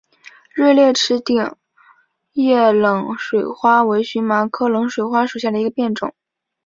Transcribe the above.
锐裂齿顶叶冷水花为荨麻科冷水花属下的一个变种。